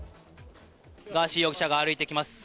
ガーシー容疑者が歩いてきます。